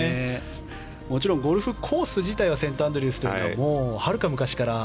もちろんゴルフコース自体はセントアンドリュースがはるか昔から。